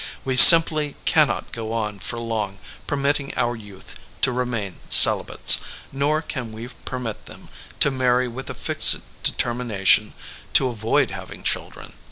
We simply cannot go on for long permitting our youth to remain celibates, nor can we permit them to CHARACTERIZATION vs. SITUATION 95 marry with a fixed determination to avoid having children.